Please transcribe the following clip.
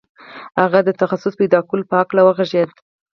هغه د تخصص پیدا کولو په هکله وغږېد